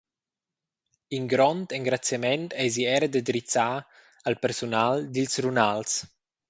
In grond engraziament eisi era da drizzar al persunal dils runals.